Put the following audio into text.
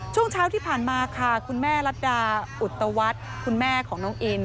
ช่วงเช้าที่ผ่านมาค่ะคุณแม่รัฐดาอุตวัฒน์คุณแม่ของน้องอิน